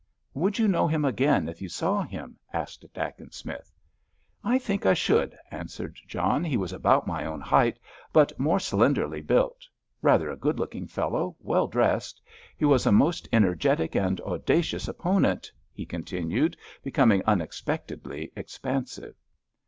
"Would you know him again if you saw him?" asked Dacent Smith. "I think I should," answered John. "He was about my own height, but more slenderly built. Rather a good looking fellow, well dressed. He was a most energetic and audacious opponent," he continued, becoming unexpectedly expansive.